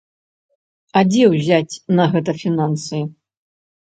А дзе ўзяць на гэта фінансы?